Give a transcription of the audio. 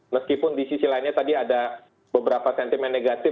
meskipun di sisi lainnya tadi ada beberapa sentimen negatif